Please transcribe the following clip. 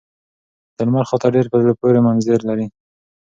د لمر خاته ډېر په زړه پورې منظر لري.